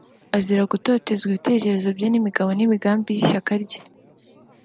azira gutoterezwa ibitekerezo bye n’imigabo n’imigambi y’ishyaka rye